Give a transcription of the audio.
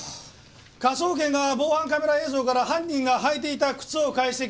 科捜研が防犯カメラ映像から犯人が履いていた靴を解析した。